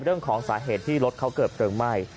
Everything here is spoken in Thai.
เรื่องของสาเหตุที่รถเขาเกิดเพลิงไหม้